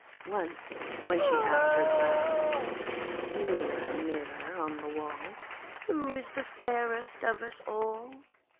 Once, when she asked her Glass, 'Mirror, Mirror on the wall, Who is fairest of us all?'